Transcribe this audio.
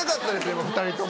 今２人とも。